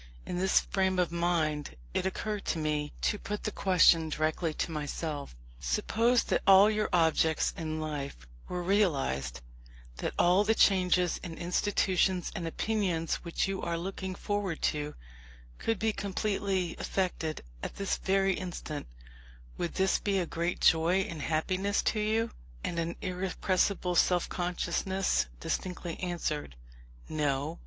In this frame of mind it occurred to me to put the question directly to myself: "Suppose that all your objects in life were realized; that all the changes in institutions and opinions which you are looking forward to, could be completely effected at this very instant: would this be a great joy and happiness to you?" And an irrepressible self consciousness distinctly answered, "No!"